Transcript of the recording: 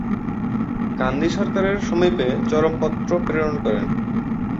গান্ধী সরকারের সমীপে চরমপত্র প্রেরণ করেন।